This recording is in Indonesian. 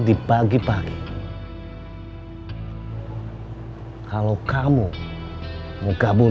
tengine yang tidak berbahaya